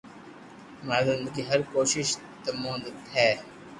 ماري زندگي ھر ڪوݾݾ تمو نت ھي